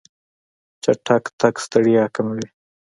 چټک تګ ستړیا کموي.